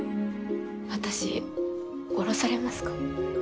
私降ろされますか？